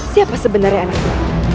siapa sebenarnya anakmu